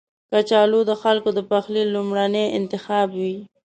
کچالو د خلکو د پخلي لومړنی انتخاب وي